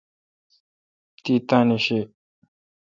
تی تانی شی۔